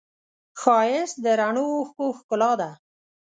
ښایست د رڼو اوښکو ښکلا ده